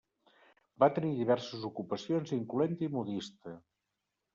Va tenir diverses ocupacions, incloent-hi modista.